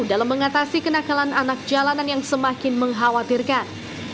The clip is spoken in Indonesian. dalam mengatasi kenakalan anak jalanan yang semakin mengkhawatirkan